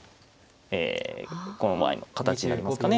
この場合の形になりますかね。